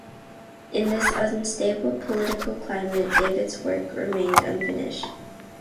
In this unstable political climate David's work remained unfinished.